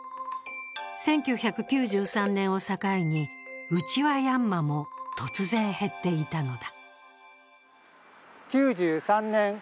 １９９３年を境にウチワヤンマも突然減っていたのだ。